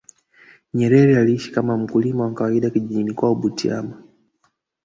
nyerere aliishi kama mkulima wa kawaida kijijini kwao butiama